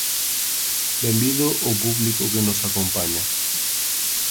Benvido o público que nos acompaña.